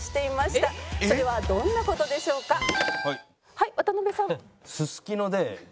はい渡辺さん。